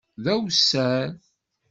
D awessar.